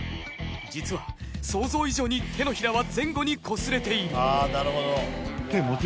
実は想像以上に手のひらは前後にこすれている。